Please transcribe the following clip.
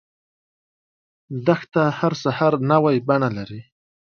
دښته هر سحر نوی بڼه لري.